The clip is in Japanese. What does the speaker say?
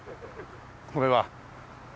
これは。